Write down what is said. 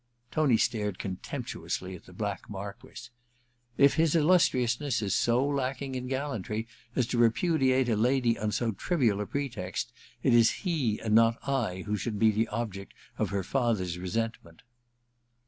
Tony stared contemptuously at the black Marquess. * If his Illustriousness is so lacking in gallantry as to repudiate a lady on so trivial a pretext, it is he and not I who should be the object of her father's resentment.'